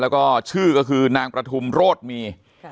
แล้วก็ชื่อก็คือนางประทุมโรธมี